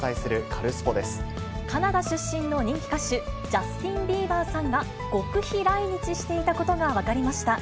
カナダ出身の人気歌手、ジャスティン・ビーバーさんが極秘来日していたことが分かりました。